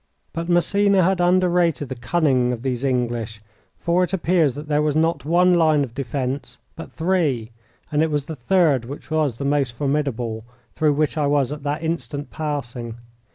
But Massena had underrated the cunning of these English, for it appears that there was not one line of defence but three, and it was the third, which was the most formidable, through which I was at that instant passing.